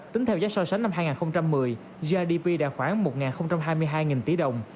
tính theo giá so sánh năm hai nghìn một mươi grdp đã khoảng một hai mươi hai nghìn tỷ đồng